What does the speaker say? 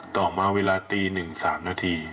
ต่อมาเวลาตี๑๓นาที